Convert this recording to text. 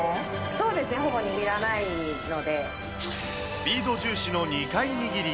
そうですね、スピード重視の２回握り。